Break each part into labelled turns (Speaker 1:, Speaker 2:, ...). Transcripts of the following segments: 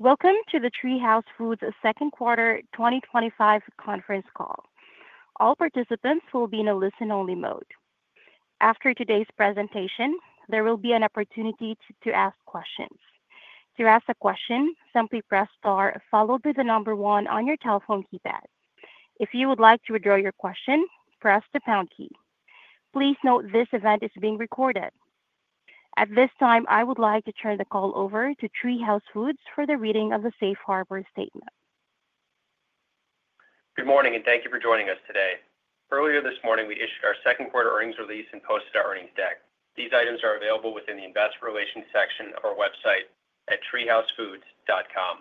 Speaker 1: Welcome to the TreeHouse Foods second quarter 2025 conference call. All participants will be in a listen-only mode. After today's presentation, there will be an opportunity to ask questions. To ask a question, simply press star followed by the number one on your telephone keypad. If you would like to withdraw your question, press the pound key. Please note this event is being recorded. At this time, I would like to turn the call over to TreeHouse Foods for the reading of the Safe Harbor Statement. Good morning and thank you for joining us today. Earlier this morning we issued our second quarter earnings release and posted our earnings deck. These items are available within the investor relations section of our website at treehousefoods.com.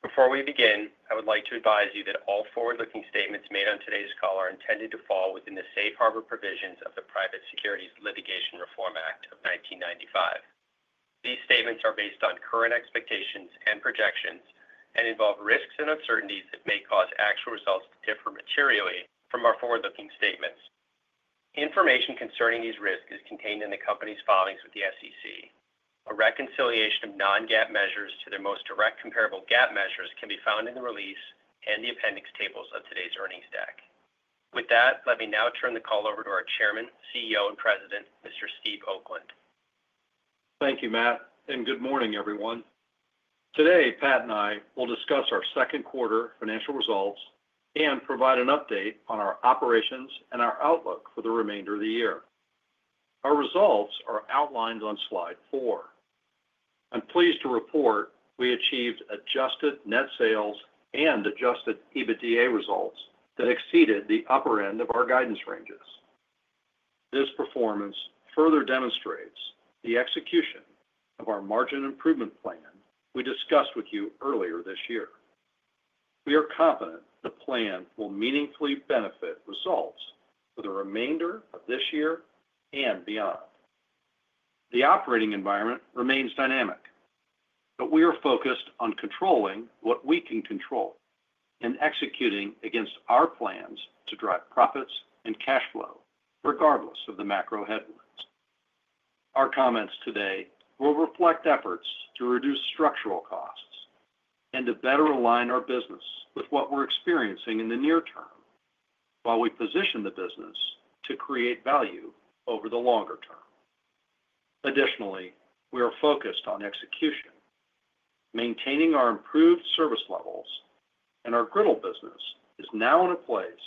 Speaker 1: Before we begin, I would like to advise you that all forward-looking statements made on today's call are intended to fall within the safe harbor provisions of the Private Securities Litigation Reform Act of 1995. These statements are based on current expectations and projections and involve risks and uncertainties that may cause actual results to differ materially from our forward-looking statements. Information concerning these risks is contained in the company's filings with the SEC. A reconciliation of non-GAAP measures to their most direct comparable GAAP measures can be found in the release and the appendix tables of today's Earnings Deck. With that, let me now turn the call over to our Chairman, CEO and President, Mr. Steve Oakland.
Speaker 2: Thank you Matt and good morning everyone. Today, Pat and I will discuss our second quarter financial results and provide an update on our operations and our outlook for the remainder of the year. Our results are outlined on slide 4. I'm pleased to report we achieved adjusted net sales and adjusted EBITDA results that exceeded the upper end of our guidance ranges. This performance further demonstrates the execution of our margin improvement plan we discussed with you earlier this year. We are confident the plan will meaningfully benefit results for the remainder of this year and beyond. The operating environment remains dynamic, but we are focused on controlling what we can control and executing against our plans to drive profits and cash flow, regardless of the macro headwinds. Our comments today will reflect efforts to reduce structural costs and to better align our business with what we're experiencing in the near-term while we position the business to create value over the longer-term. Additionally, we are focused on execution, maintaining our improved service levels, and our griddle business is now in a place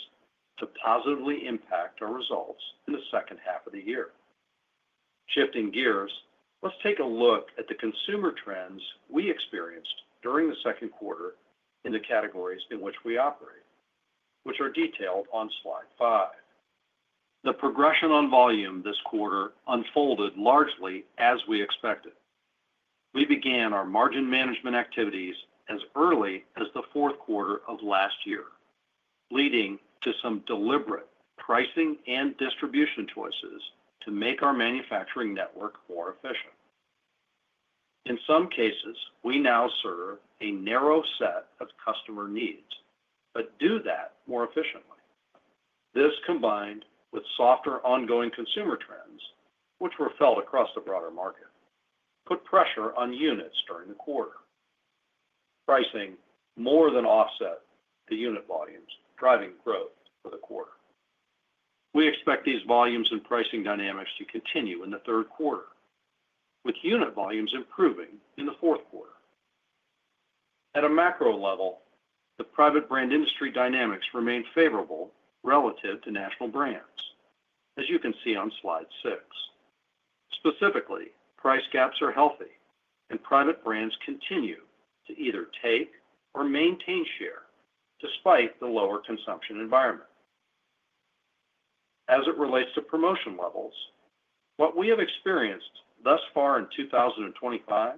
Speaker 2: to positively impact our results in the second half of the year. Shifting gears, let's take a look at the consumer trends we experienced during the second quarter in the categories in which we operate, which are detailed on slide 5. The progression on volume this quarter unfolded largely as we expected. We began our margin management activities as early as the fourth quarter of last year, leading to some deliberate pricing and distribution choices to make our manufacturing network more efficient. In some cases, we now serve a narrow set of customer needs but do that more efficiently. This, combined with softer ongoing consumer trends which were felt across the broader market, put pressure on units during the quarter. Pricing more than offset the unit volumes, driving growth for the quarter. We expect these volumes and pricing dynamics to continue in the third quarter, with unit volumes improving in the fourth quarter. At a macro level, the private label industry dynamics remain favorable relative to national brands as you can see on slide 6. Specifically, price gaps are healthy and private brands continue to either take or maintain share despite the lower consumption environment. As it relates to promotion levels, what we have experienced thus far in 2025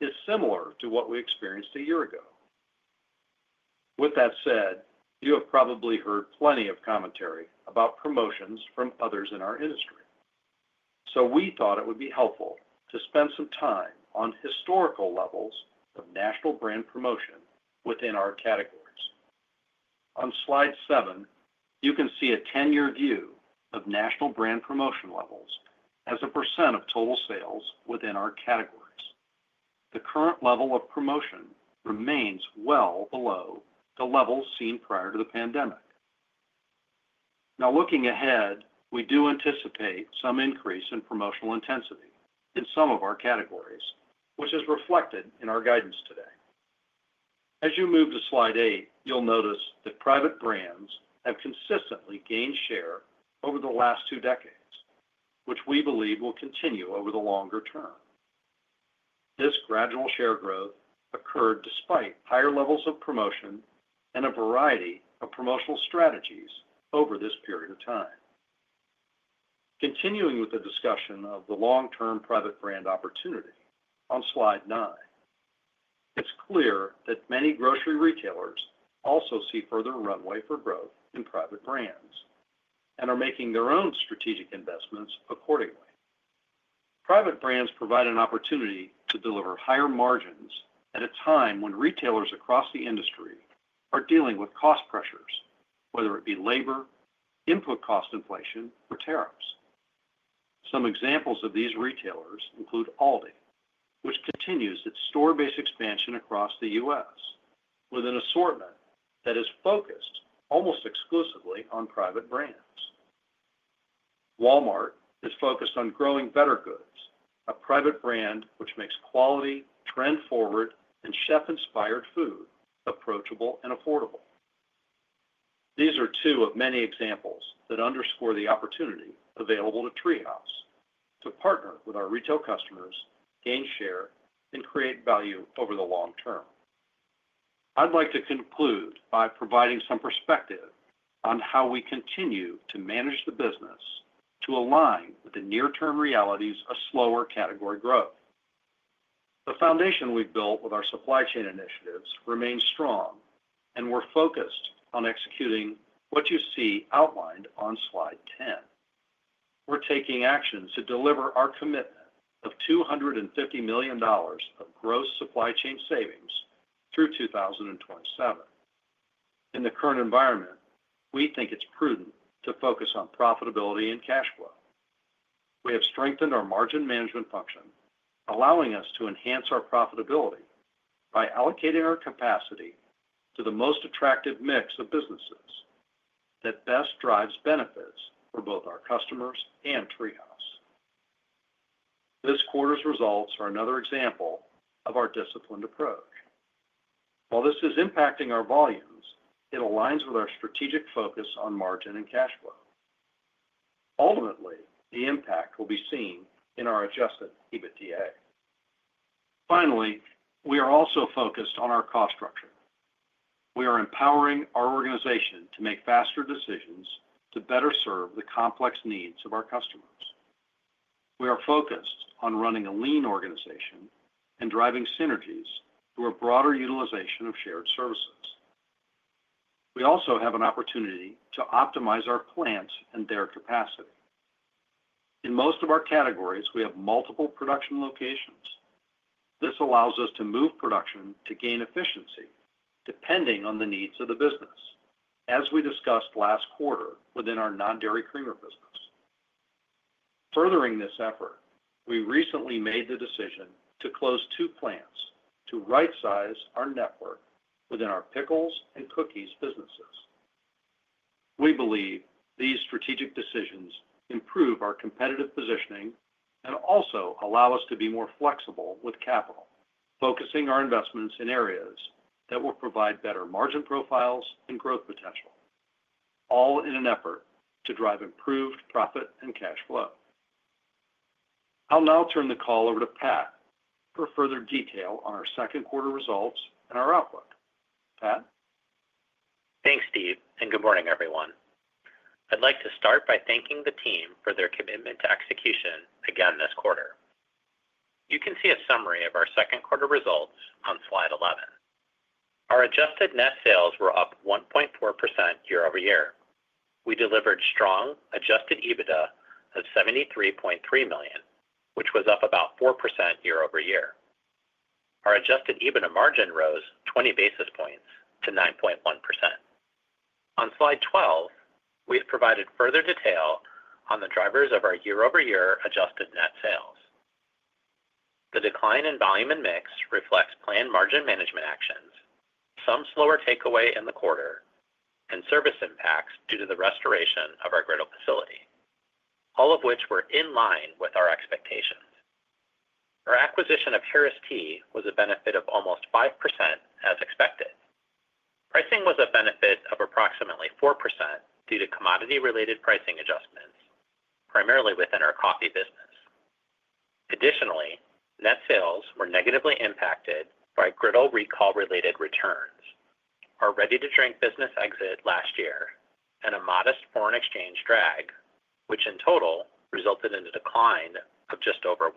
Speaker 2: is similar to what we experienced a year ago. With that said, you have probably heard plenty of commentary about promotions from others in our industry, so we thought it would be helpful to spend some time on historical levels of national brand promotion within our categories. On slide 7, you can see a 10-year view of national brand promotion levels as a percent of total sales within our category. The current level of promotion remains well below the levels seen prior to the pandemic. Now, looking ahead, we do anticipate some increase in promotional intensity in some of our categories, which is reflected in our guidance today. As you move to slide 8, you'll notice that private brands have consistently gained share over the last two decades, which we believe will continue over the longer-term. This gradual share growth occurred despite higher levels of promotion and a variety of promotional strategies over this period of time. Continuing with the discussion of the long-term private brand opportunity on slide 9, it's clear that many grocery retailers also see further runway for growth in private brands and are making their own strategic investments accordingly. Private brands provide an opportunity to deliver higher margins at a time when retailers across the industry are dealing with cost pressures, whether it be labor input, cost inflation, or tariffs. Some examples of these retailers include Aldi, which continues its store base expansion across the U.S. with an assortment that is focused almost exclusively on private brands. Walmart is focused on growing bettergoods, a private brand which makes quality, trend-forward, and chef-inspired food approachable and affordable. These are two of many examples that underscore the opportunity available to TreeHouse to partner with our retail customers, gain share, and create value over the long-term. I'd like to conclude by providing some perspective on how we continue to manage the business to align with the near-term realities of slower category growth. The foundation we've built with our supply chain initiatives remains strong, and we're focused on executing what you see outlined on slide 10. We're taking actions to deliver our commitment of $250 million gross supply chain savings through 2027. In the current environment, we think it's prudent to focus on profitability and cash flow. We have strengthened our margin management function, allowing us to enhance our profitability by allocating our capacity to the most attractive mix of businesses that best drives benefits for both our customers and TreeHouse. This quarter's results are another example of our disciplined approach. While this is impacting our volumes, it aligns with our strategic focus on margin and cash flow. Ultimately, the impact will be seen in our adjusted EBITDA. Finally, we are also focused on our cost structure. We are empowering our organization to make faster decisions to better serve the complex needs of our customers. We are focused on running a lean organization and driving synergies through a broader utilization of shared services. We also have an opportunity to optimize our plants and their capacity. In most of our categories, we have multiple production locations. This allows us to move production to gain efficiency depending on the needs of the business, as we discussed last quarter within our non-dairy creamer business. Furthering this effort, we recently made the decision to close two plants to right size our network within our pickles and cookies businesses. We believe these strategic decisions improve our competitive positioning and also allow us to be more flexible with capital, focusing our investments in areas that will provide better margin profiles and growth potential, all in an effort to drive improved profit and cash flow. I'll now turn the call over to Pat for further detail on our second quarter results and our outlook.
Speaker 3: Pat, thanks Steve and good morning everyone. I'd like to start by thanking the team for their commitment to execution again this quarter. You can see a summary of our second quarter results on Slide 11. Our adjusted net sales were up 1.4% year-over-year. We delivered strong adjusted EBITDA of $73.3 million, which was up about 4% year-over-year. Our adjusted EBITDA margin rose 20 basis points to 9.1%. On Slide 12, we have provided further detail on the drivers of our year-over-year adjusted net sales. The decline in volume and mix reflects planned margin management actions, some slower takeaway in the quarter, and service impacts due to the restoration of our griddle facility, all of which were in line with our expectations. Our acquisition of Harris Tea was a benefit of almost 5%, as expected. Pricing was a benefit of approximately 4% due to commodity-related pricing adjustments, primarily within our coffee business. Additionally, net sales were negatively impacted by griddle recall-related returns, our ready-to-drink business exit last year, and a modest foreign exchange drag, which in total resulted in a decline of just over 1%.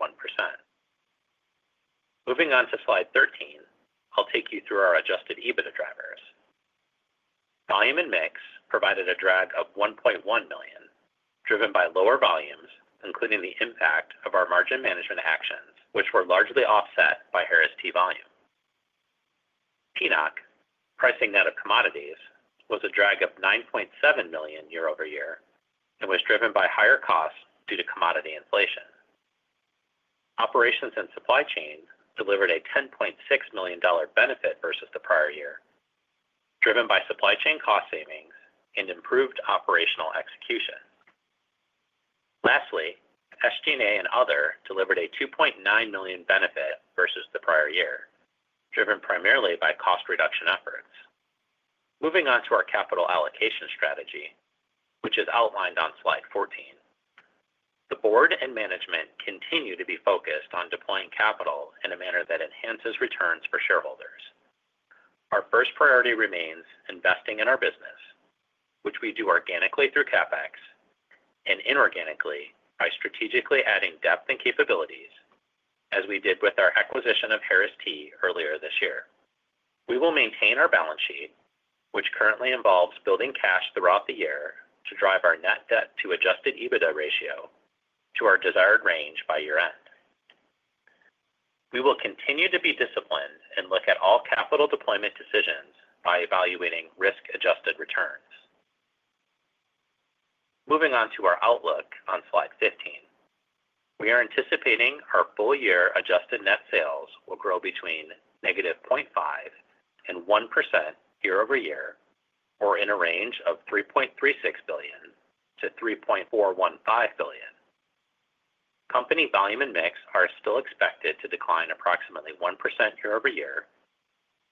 Speaker 3: Moving on to Slide 13, I'll take you through our adjusted EBITDA drivers. Volume and mix provided a drag of $1.1 million, driven by lower volumes including the impact of our margin management actions, which were largely offset by Harris Tea volume. Pricing net of commodities was a drag of $9.7 million year-over-year and was driven by higher costs due to commodity inflation. Operations and supply chain delivered a $10.6 million benefit versus the prior year, driven by supply chain cost savings and improved operational execution. Lastly, SG&A and other delivered a $2.9 million benefit versus the prior year, driven primarily by cost reduction efforts. Moving on to our capital allocation strategy, which is outlined on Slide 14. The Board and management continue to be focused on deploying capital in a manner that enhances returns for shareholders. Our first priority remains investing in our business, which we do organically through CapEx and inorganically by strategically adding depth and capabilities as we did with our acquisition of Harris Tea earlier this year. We will maintain our balance sheet, which currently involves building cash throughout the year to drive our net debt to adjusted EBITDA ratio to our desired range by year end. We will continue to be disciplined and look at all capital deployment decisions by evaluating risk-adjusted returns. Moving on to our outlook on Slide 15, we are anticipating our full year adjusted net sales will grow between -0.5% and 1% year-over-year, or in a range of $3.36 billion-$3.415 billion. Company volume and mix are still expected to decline approximately 1% year-over-year,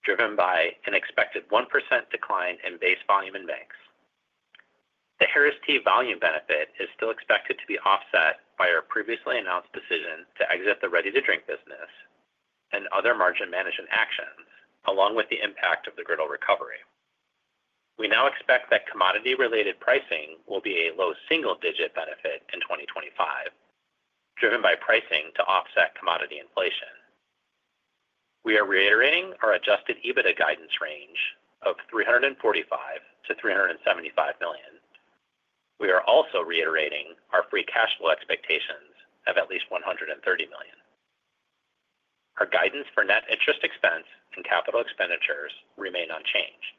Speaker 3: driven by an expected 1% decline in base volume in banks. The Harris Tea volume benefit is still expected to be offset by our previously announced decision to exit the ready-to-drink business and other margin management actions, along with the impact of the griddle recovery. We now expect that commodity-related pricing will be a low single-digit benefit in 2025, driven by pricing to offset commodity inflation. We are reiterating our adjusted EBITDA guidance range of $345 million-$375 million. We are also reiterating our free cash flow expectations of at least $130 million. Our guidance for net interest expense and capital expenditures remain unchanged.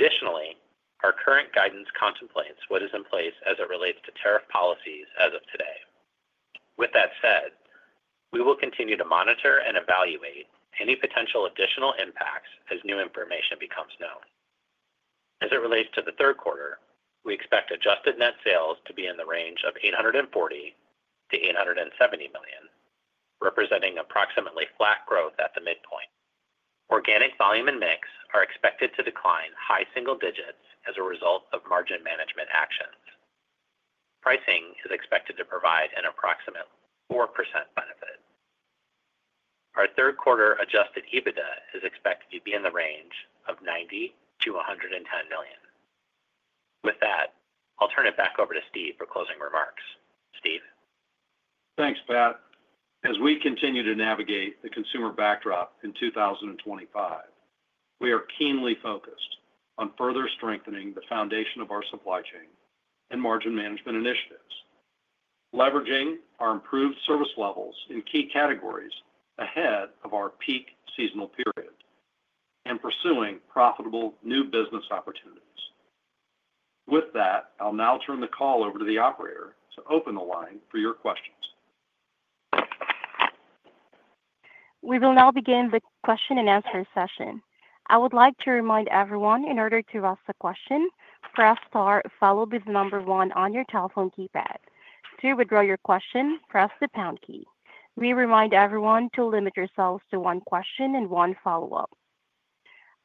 Speaker 3: Additionally, our current guidance contemplates what is in place as it relates to tariff policies as of today. With that said, we will continue to monitor and evaluate any potential additional impacts as new information becomes known. As it relates to the third quarter, we expect adjusted net sales to be in the range of $840 million-$870 million, representing approximately flat growth at the midpoint. Organic volume and mix are expected to decline high single digits as a result of margin management actions. Pricing is expected to provide an approximate 4% benefit. Our third quarter adjusted EBITDA is expected to be in the range of $90 million-$110 million. With that, I'll turn it back over to Steve for closing remarks. Steve?
Speaker 2: Thanks, Pat. As we continue to navigate the consumer backdrop in 2025, we are keenly focused on further strengthening the foundation of our supply chain and margin management initiatives, leveraging our improved service levels in key categories ahead of our peak seasonal period and pursuing profitable new business opportunities. With that, I'll now turn the call over to the operator to open the line for your questions.
Speaker 1: We will now begin the question-and-answer session. I would like to remind everyone in order to ask a question, press star followed by the number one on your telephone keypad. To withdraw your question, press the pound key. We remind everyone to limit yourselves to one question and one follow-up.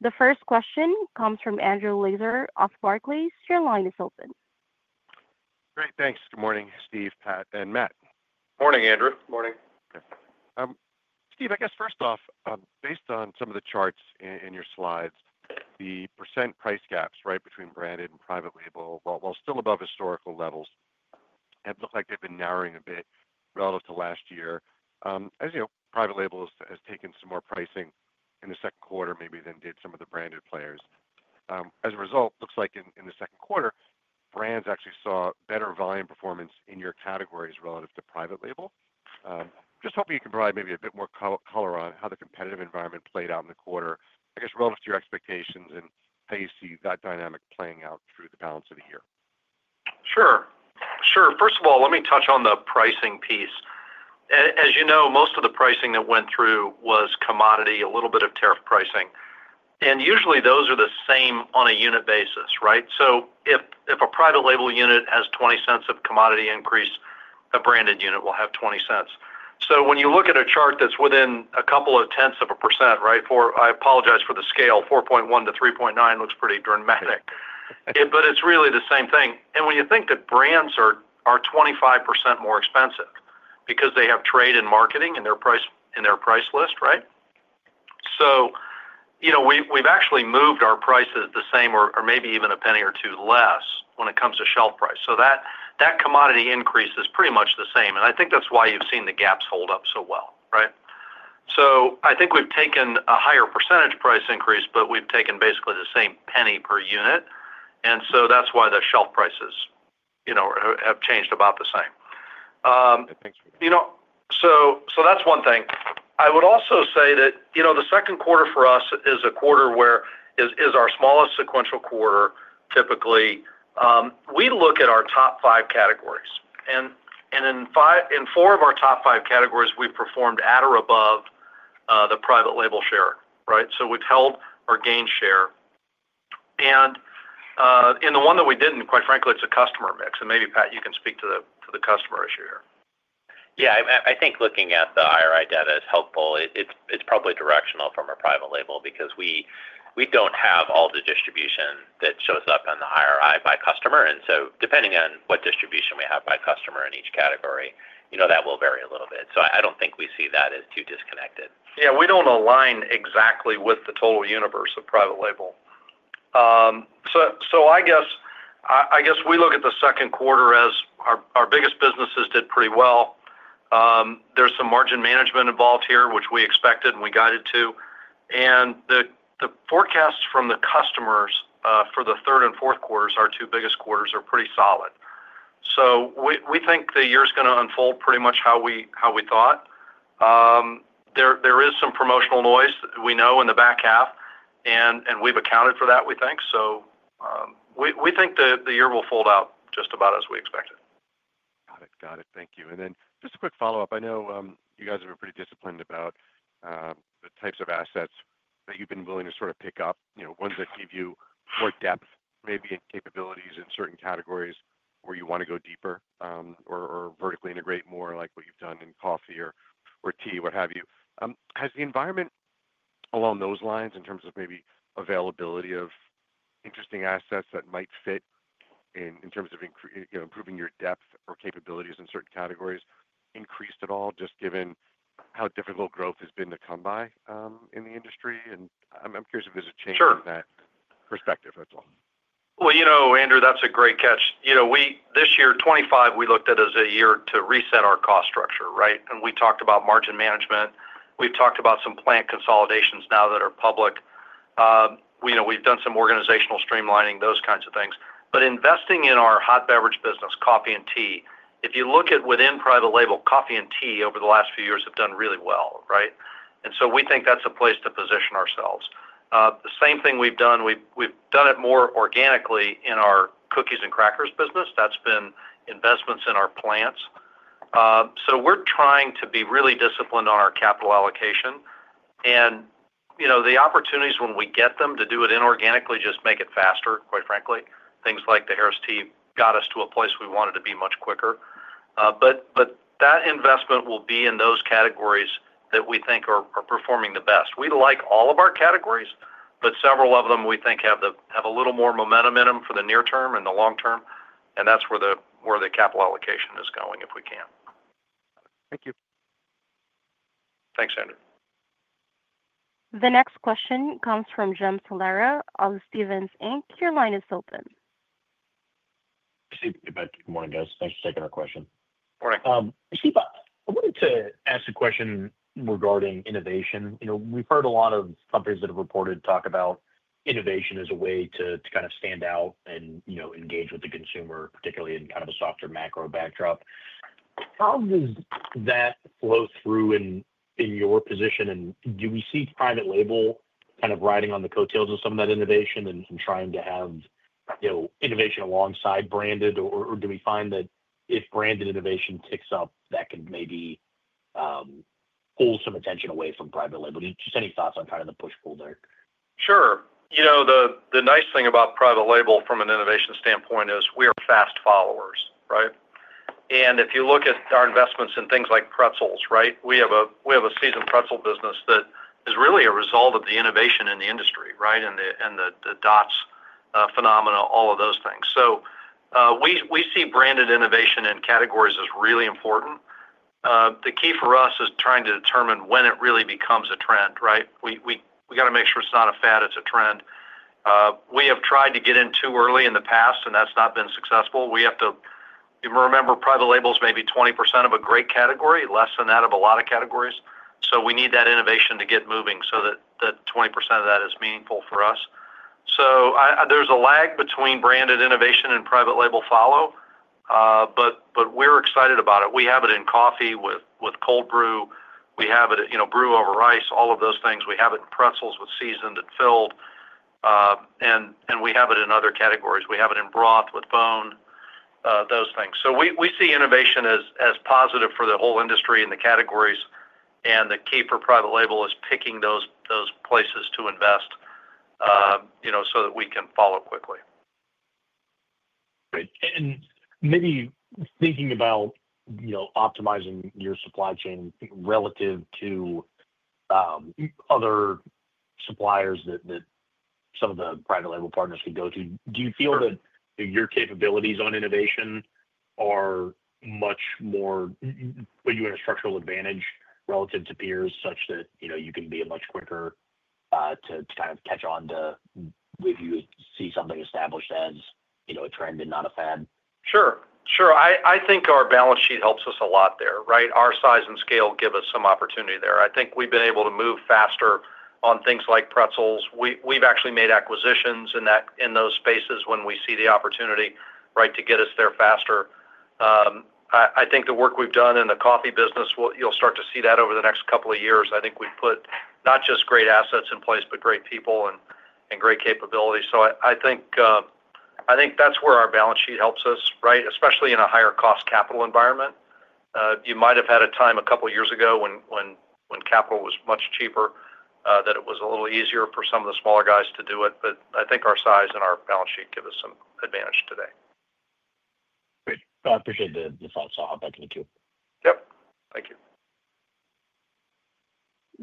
Speaker 1: The first question comes from Andrew Lazar of Barclays. Your line is open.
Speaker 4: Great, thanks. Good morning, Steve, Pat and Matt.
Speaker 2: Morning, Andrew.
Speaker 3: Morning.
Speaker 4: Steve, I guess first off, based on some of the charts in your slides, the percent price gaps right between branded and private label, while still above historical levels, have looked like they've been narrowing a bit relative to last year. As you know, private label has taken some more pricing in the second quarter maybe than did some of the branded players. As a result, looks like in the second quarter brands actually saw better volume performance in your categories relative to private label. Just hoping you can provide maybe a bit more color on how the competitive environment played out in the quarter, I guess relative to your expectations and how you see that dynamic playing out through the balance of the year.
Speaker 2: Sure, sure. First of all, let me touch on the pricing piece. As you know, most of the pricing that went through was commodity, a little bit of tariff pricing and usually those are the same on a unit basis. Right. If a private label unit has $0.20 of commodity increase, a branded unit will have $0.20. When you look at a chart that's within a couple of tenths of a percent, I apologize for the scale, [4.1%-3.9%] looks pretty dramatic, but it's really the same thing. When you think that brands are 25% more expensive because they have trade and marketing in their price list, we've actually moved our prices the same or maybe even a penny or two less when it comes to shelf price. That commodity increase is pretty much the same. I think that's why you've seen the gaps hold up so well. I think we've taken a higher percentage price increase, but we've taken basically the same penny per unit, and that's why the shelf prices have changed about the same. That's one thing. I would also say that the second quarter for us is a quarter where it is our smallest sequential quarter. Typically, we look at our top five categories and in four of our top five categories we performed at or above the private label share. We've held or gained share. In the one that we didn't, quite frankly, it's a customer mix. Maybe, Pat, you can speak to the customer issue here.
Speaker 3: Yeah, I think looking at the IRI data is helpful. It's probably directional from a private label because we don't have all the distribution that shows up on the IRI by customer. Depending on what distribution we have by customer in each category, that will vary a little bit. I don't think we see that as too disconnected.
Speaker 2: Yeah, we don't align exactly with the total universe of private label. I guess we look at the second quarter as our biggest businesses did pretty well. There's some margin management involved here, which we expected and we guided to. The forecasts from the customers for the third and fourth quarters, our two biggest quarters, are pretty solid. We think the year is going to unfold pretty much how we thought. There is some promotional noise, we know, in the back half and we've accounted for that, we think. We think that the year will fold out just about as we expected.
Speaker 4: Got it, got it. Thank you. And then just a quick follow-up. I know you guys have been pretty disciplined about the types of assets that you've been willing to sort of pick up, ones that give you more depth maybe in capabilities in certain categories where you want to go deeper or vertically integrate more, like what you've done in coffee or tea, what have you. Has the environment along those lines in terms of maybe availability of interesting assets that might fit in terms of improving your depth or capabilities in certain categories increased at all? Just given how difficult growth has been to come by in the industry. I'm curious if there's a change from that perspective, that's all.
Speaker 2: You know, Andrew, that's a great catch. This year, 2025, we looked at as a year to reset our cost structure. Right. We talked about margin management. We've talked about some plant consolidations now that are public. We know we've done some organizational streamlining, those kinds of things. Investing in our hot beverage business, coffee and tea, if you look at within private label coffee and tea over the last few years, have done really well. Right. We think that's a place to position ourselves. The same thing we've done, we've done it more organically in our cookies and crackers business. That's been investments in our plants. We're trying to be really disciplined on our capital allocation, and the opportunities when we get them to do it inorganically just make it faster. Quite frankly, things like the Harris Tea got us to a place we wanted to be much quicker, but that investment will be in those categories that we think are performing the best. We like all of our categories, but several of them, we think, have a little more momentum in them for the near-term and the long-term. That's where the capital allocation is going, if we can.
Speaker 4: Thank you.
Speaker 2: Thanks, Andrew.
Speaker 1: The next question comes from Jim Salera of Stephens Inc. Your line is open.
Speaker 5: Thanks for taking our question. All right. I wanted to ask a question regarding innovation. We've heard a lot of companies that have reported talk about innovation as a way to kind of stand out and engage with the consumer, particularly in kind of a softer, macro backdrop. How does that flow through in your position? Do we see private label kind of riding on the coattails of some of that innovation and trying to have you know, innovation alongside branded? Or do we find that if branded innovation ticks up, that can maybe pull some attention away from private label? Just any thoughts on kind of the push-pull there?
Speaker 2: Sure. The nice thing about private label from an innovation standpoint is we are fast followers, right. If you look at our investments in things like pretzels, we have a seasoned pretzel business that is really a result of the innovation in the industry, and the Dots phenomena, all of those things. We see branded innovation in categories as really important. The key for us is trying to determine when it really becomes a trend. We have to make sure it's not a fad, it's a trend. We have tried to get in too early in the past and that's not been successful. We have to remember private label is maybe 20% of a great category, less than that of a lot of categories. We need that innovation to get moving so that 20% of that is meaningful for us. There is a lag between branded innovation and private label follow, but we're excited about it. We have it in coffee with cold brew, we have it, you know, brew over ice, all of those things. We have it in pretzels with seasoned filled, and we have it in other categories. We have it in broth with bone, those things. We see innovation as positive for the whole industry and the categories. The key for private label is picking those places to invest so that we can follow quickly.
Speaker 5: Maybe thinking about optimizing your supply chain relative to other suppliers that some of the private label partners can go to, do you feel that your capabilities on innovation are much more put you in a structural advantage relative to peers such that, you know, you can be much quicker to kind of catch on to if you see something established as, you know, a trend and not a fad?
Speaker 2: Sure. I think our balance sheet helps us a lot there, right. Our size and scale give us some opportunity there. I think we've been able to move faster on things like pretzels. We've actually made acquisitions in those spaces when we see the opportunity to get us there faster. I think the work we've done in the coffee business, you'll start to see that over the next couple of years. I think we've put not just great assets in place, but great people and great capability. I think that's where our balance sheet helps us, especially in a higher cost capital environment. You might have had a time a couple of years ago when capital was much cheaper that it was a little easier for some of the smaller guys to do it. I think our size and our balance sheet give us some advantage today.
Speaker 5: I appreciate the thoughts. I'll hop back in the queue.
Speaker 2: Thank you.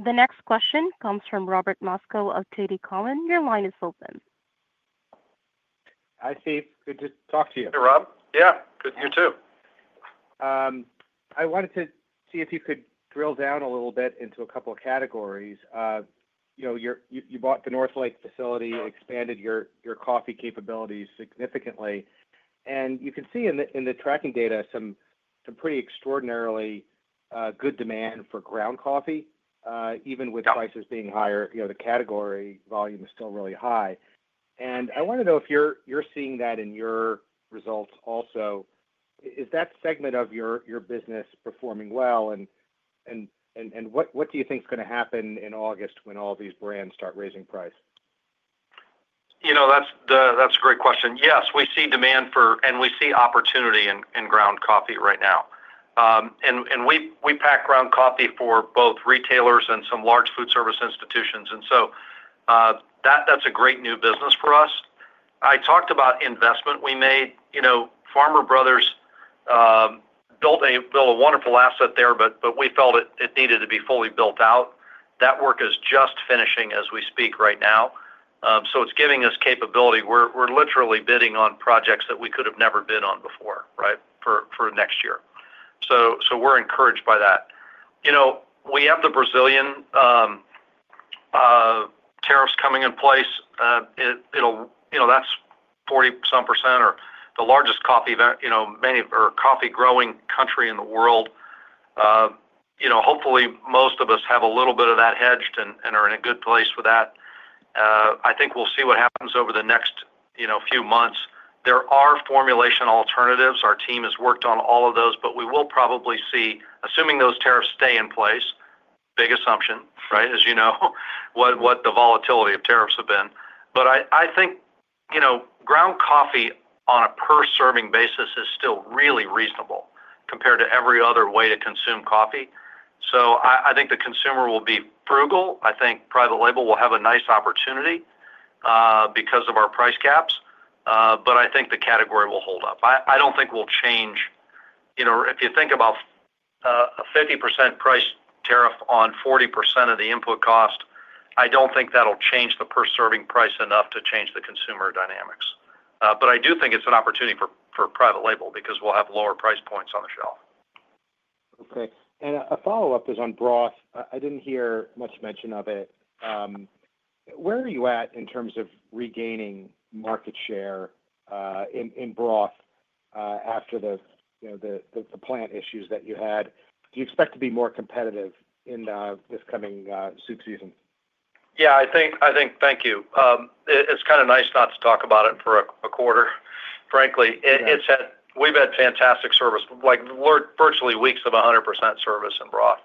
Speaker 1: The next question comes from Robert Moskow of TD Cowen. Your line is open.
Speaker 6: Hi, Steve. Good to talk to you.
Speaker 2: Hey, Rob. Yeah, you too.
Speaker 6: I wanted to see if you could drill down a little bit into a couple of categories. You know, you bought the Northlake facility, expanded your coffee capabilities significantly, and you can see in the tracking data some pretty extraordinarily good demand for ground coffee. Even with prices being higher, the category volume is still really high. I want to know if you're seeing that in your results also, is that segment of your business performing well, and what do you think is going to happen in August when all these brands start raising price?
Speaker 2: That's a great question. Yes, we see demand for and we see opportunity in ground coffee right now. We pack ground coffee for both retailers and some large food service institutions. That's a great new business for us. I talked about investment we made. Farmer Brothers built a wonderful asset there, but we felt it needed to be fully built out. That work is just finishing as we speak right now. It's giving us capability. We're literally bidding on projects that we could have never bid on before for next year. We're encouraged by that. We have the Brazilian tariffs coming in place. That's 40% or the largest coffee, you know, coffee growing country in the world. Hopefully most of us have a little bit of that hedged and are in a good place for that. I think we'll see what happens over the next few months. There are formulation alternatives. Our team has worked on all of those. We will probably see, assuming those tariffs stay in place, big assumption, as you know, what the volatility of tariffs have been. I think ground coffee on a per serving basis is still really reasonable compared to every other way to consume coffee. I think the consumer will be frugal. I think private label will have a nice opportunity because of our price gaps. I think the category will hold up. I don't think we'll change. If you think about 50% price tariff on 40% of the input cost, I don't think that'll change the per serving price enough to change the consumer dynamics. I do think it's an opportunity for private label because we'll have lower price points on the shelf.
Speaker 6: Okay. A follow up is on broth. I didn't hear much mention of it. Where are you at in terms of regaining market share in broth after the plant issues that you had, do you expect to be more competitive in this coming soup season?
Speaker 2: Yeah, I think. Thank you. It's kind of nice not to talk about it for a quarter, frankly. We've had fantastic service, like virtually weeks of 100% service in broth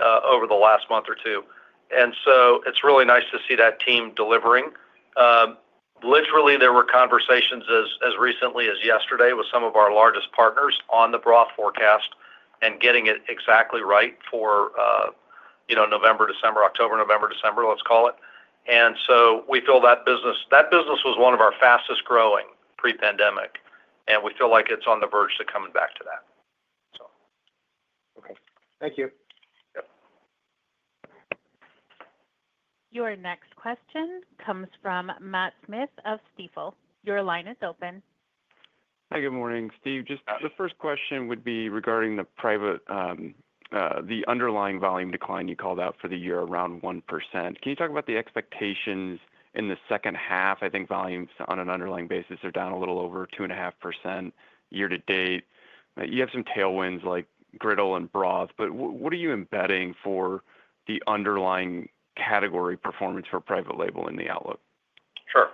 Speaker 2: over the last month or two. It's really nice to see that team delivering literally. There were conversations as recently as yesterday with some of our largest partners on the broth forecast, getting it exactly right for, you know, October, November, December. Let's call it. We feel that business was one of our fastest growing pre-pandemic and we feel like it's on the verge to coming back to that.
Speaker 6: Okay, thank you.
Speaker 1: Your next question comes from Matt Smith of Stifel. Your line is open.
Speaker 7: Hi, good morning, Steve. Just the first question would be regarding the private label, the underlying volume decline you called out for the year, around 1%. Can you talk about the expectations in the second half? I think volumes on an underlying basis are down a little over 2.5% year to date. You have some tailwinds like griddle and broths, but what are you embedding for the underlying category performance for private label in the outlook?
Speaker 3: Sure.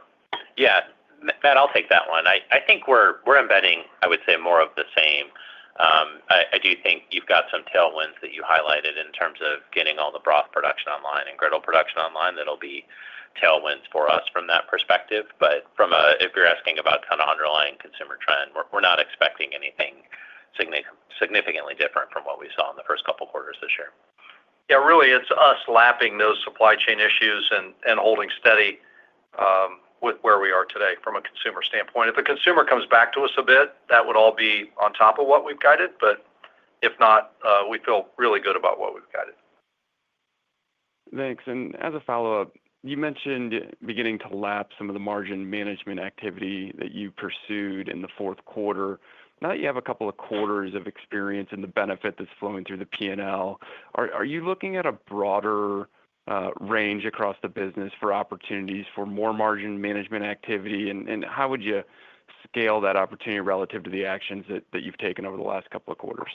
Speaker 3: Yeah, Matt, I'll take that one. I think we're embedding, I would say, more of the same. I do think you've got some tailwinds that you highlighted in terms of getting all the broth production online and griddle production online. That'll be tailwinds for us from that perspective. If you're asking about underlying consumer trend, we're not expecting anything significantly different from what we saw in the first couple quarters this year.
Speaker 2: Yeah, really, it's us lapping those supply chain issues and holding steady with where we are today from a consumer standpoint. If a consumer comes back to us a bit, that would all be on top of what we've guided. If not, we feel really good about what we've guided.
Speaker 7: Thanks. As a follow up, you mentioned beginning to lap some of the margin management activity that you pursued in the fourth quarter. Now that you have a couple of quarters of experience and the benefit that's flowing through the P&L, are you looking at a broader range across the business for opportunities for more margin management activity? How would you scale that opportunity relative to the actions that you've taken over the last couple of quarters?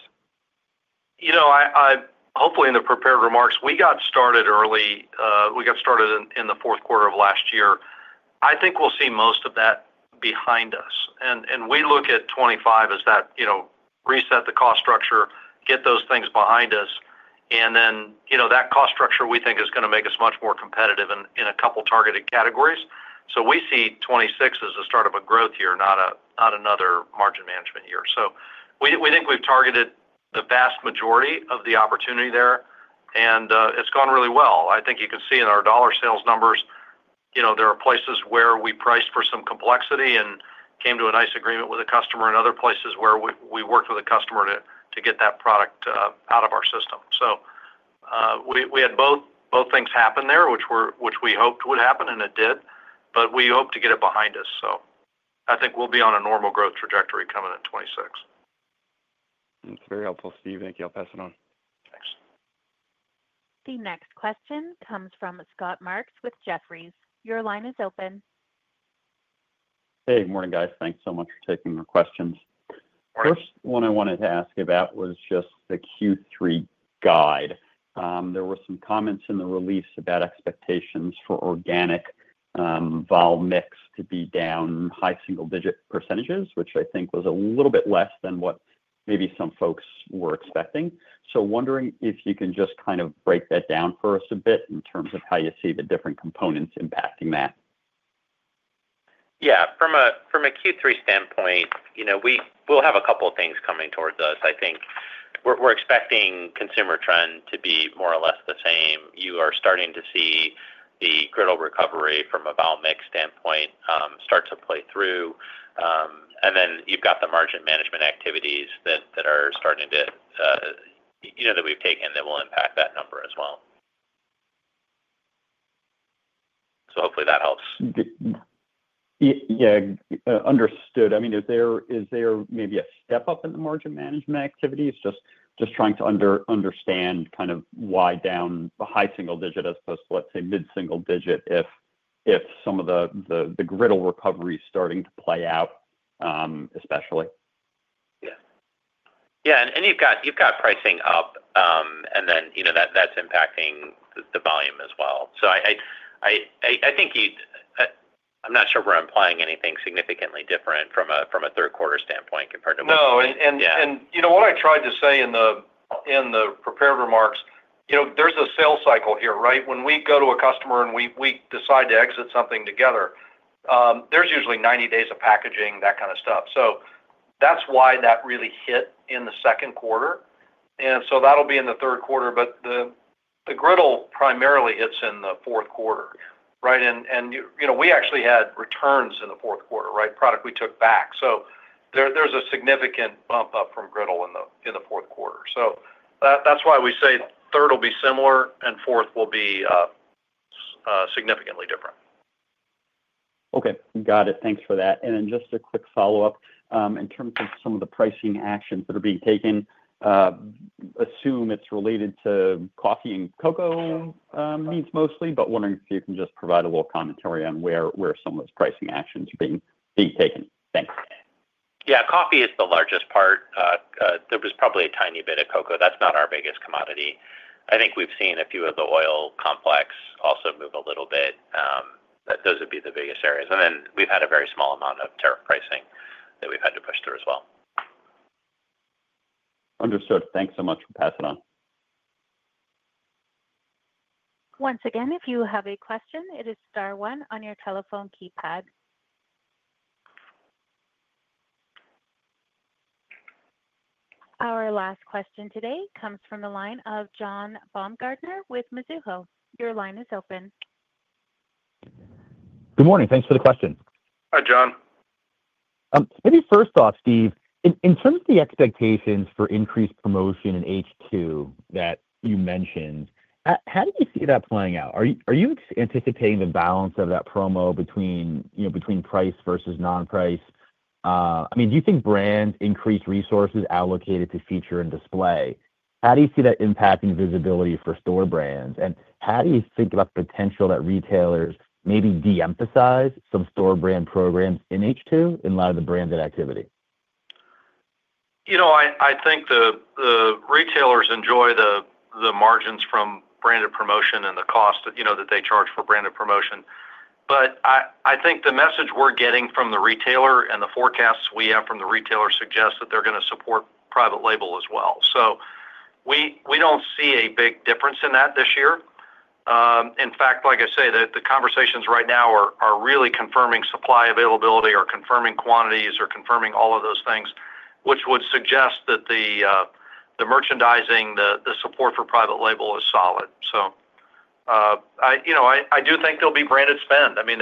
Speaker 2: Hopefully in the prepared remarks, we got started early, we got started in the fourth quarter of last year. I think we'll see most of that behind us. We look at 2025 as that reset the cost structure, get those things behind us and then that cost structure we think is going to make us much more competitive in a couple targeted categories. We see 2026 as the start of a growth year, not another margin management year. We think we've targeted the vast majority of the opportunity there and it's gone really well. I think you can see in our dollar sales numbers. There are places where we priced for some complexity and came to a nice agreement with a customer and other places where we worked with a customer to get that product out of our system. We had both things happen there which we hoped would happen and it did. We hope to get it behind us. I think we'll be on a normal growth trajectory coming at 2026.
Speaker 7: That's very helpful, Steve. Thank you. I'll pass it on.
Speaker 2: Thanks.
Speaker 1: The next question comes from Scott Marks with Jefferies. Your line is open.
Speaker 8: Hey, morning guys. Thanks so much for taking the questions. First one I wanted to ask about was just the Q3 guide. There were some comments in the release about expectations for organic volume mix to be down high single digit percentages, which I think was a little bit less than what maybe some folks were expecting. So wondering if you can just kind of break that down for us a bit in terms of how you see the different components impacting that.
Speaker 3: From a Q3 standpoint, we will have a couple of things coming towards us. I think we're expecting consumer trend to be more or less the same. You are starting to see the griddle recovery from a bowel mix standpoint start to play through, and then you've got the margin management activities that we've taken that will impact that number as well. Hopefully that helps.
Speaker 8: Yeah, understood. I mean, is there maybe a step up in the margin management activities? Just trying to understand kind of why down the high single digit as opposed to, let's say, mid single digit. If some of the griddle recovery is starting to play out especially.
Speaker 3: Yeah. You've got pricing up, and then you know that's impacting the volume as well. I think you, I'm not sure we're implying anything significantly different from a third quarter standpoint compared to.
Speaker 2: No. What I tried to say in the prepared remarks, there's a sales cycle here, right. When we go to a customer and we decide to exit something together, there's usually 90 days of packaging, that kind of stuff. That's why that really hit in the second quarter, and that'll be in the third quarter. The griddle primarily hits in the fourth quarter. We actually had returns in the fourth quarter, product we took back. There's a significant bump up from griddle in the fourth quarter. That's why we say third will be similar and fourth will be significantly different.
Speaker 8: Okay, got it. Thanks for that, and then just a quick follow up in terms of some of the pricing actions that are being taken. Assume it's related to coffee and cocoa needs mostly, but wondering if you can. Just provide a little commentary on where some of those pricing actions are being taken. Thanks.
Speaker 3: Yeah, coffee is the largest part. There was probably a tiny bit of cocoa. That's not our biggest commodity. I think we've seen a few of the oil complex also move a little bit. Those would be the biggest areas. We've had a very small amount of tariff pricing that we've had to push through as well.
Speaker 8: Understood, thanks so much. I'll pass it on.
Speaker 1: Once again, if you have a question, it is Star one on your telephone keypad. Our last question today comes from the line of John Baumgartner with Mizuho. Your line is open.
Speaker 9: Good morning. Thanks for the question.
Speaker 2: Hi John.
Speaker 9: Maybe first off, Steve, in terms of the expectations for increased promotion in H2 that you mentioned, how do you see that playing out? Are you anticipating the balance of that promo between price versus non-price? Do you think brand increased resources allocated to feature and display, how do you see that impacting visibility for store brands? How do you think about the potential that retailers maybe de-emphasize some store brand programs in H2 and a lot of the branded activity?
Speaker 2: I think the retailers enjoy the margins from branded promotion and the cost that they charge for branded promotion. I think the message we're getting from the retailer and the forecasts we have from the retailer suggest that they're going to support private label as well. We don't see a big difference in that this year. In fact, the conversations right now are really confirming supply availability or confirming quantities or confirming all of those things, which would suggest that the merchandising, the support for private label is solid. I do think there'll be branded spend. I mean,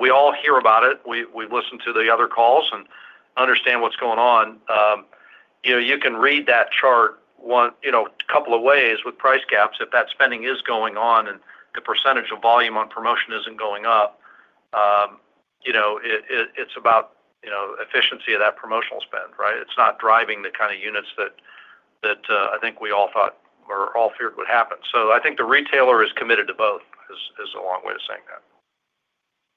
Speaker 2: we all hear about it, we've listened to the other calls and understand what's going on. You can read that chart a couple of ways with price gaps. If that spending is going on and the percentage of volume on promotion isn't going up, it's about efficiency of that promotional spend. It's not driving the kind of units that I think we all thought or all feared would happen. I think the retailer is committed to both is a long way of saying that.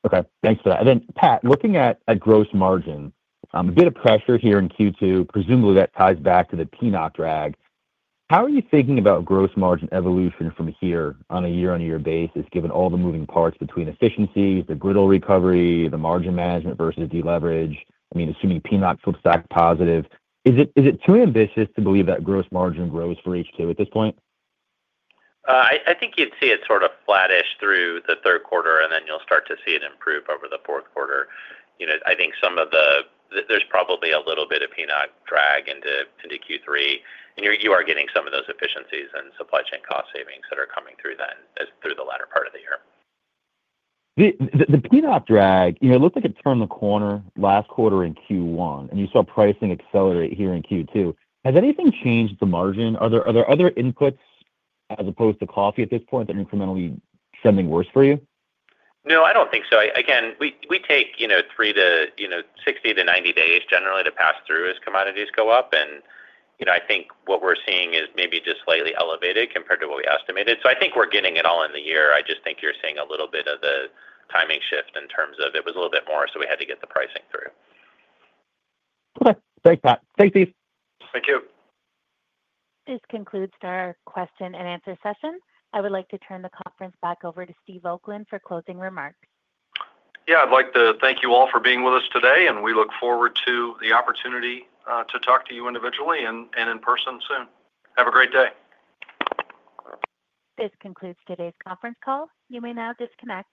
Speaker 9: Okay, thanks for that. Pat, looking at gross margin, a bit of pressure here in Q2. Presumably that ties back to the PNOC drag. How are you thinking about gross margin evolution from here on a year-on-year basis given all the moving parts between efficiency, the brittle recovery, the margin management versus deleverage? I mean, assuming PNOC looks back positive. Is it too ambitious to believe that gross margin grows for H2 at this point?
Speaker 3: I think you'd see it sort of flattish through the third quarter, and then you'll start to see it improve over the fourth quarter. I think there's probably a little bit of PNOC drag into Q3, and you are getting some of those efficiencies and supply chain cost savings that are coming through then through the latter part of the year.
Speaker 9: The PNOC drag, it looked like it turned the corner last quarter in Q1, and you saw pricing accelerate here in Q2. Has anything changed the margin? Are there other inputs as opposed to coffee at this point incrementally sending worse for you?
Speaker 3: No, I don't think so. We take 60-90 days generally to pass through as commodities go up. I think what we're seeing is maybe just slightly elevated compared to what we estimated. I think we're getting it all in the year. I think you're seeing a little bit of the timing shift in terms of it was a little bit more, so we had to get the pricing through.
Speaker 9: Thanks, Pat. Thanks, Steve.
Speaker 2: Thank you.
Speaker 1: This concludes our question-and-answer session. I would like to turn the conference back over to Steve Oakland for closing remarks.
Speaker 2: Yeah, I'd like to thank you all for being with us today, and we look forward to the opportunity to talk to you individually and in person soon. Have a great day.
Speaker 1: This concludes today's conference call. You may now disconnect.